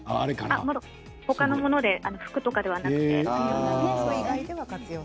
他のもので服とかではなくて。